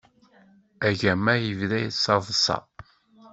Agama yebda yettaḍsa.